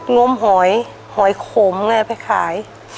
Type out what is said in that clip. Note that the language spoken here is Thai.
งมหอยขมช่าย